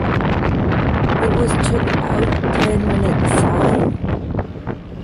It was took out ten minutes syne.